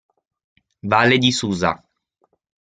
Valle di Susa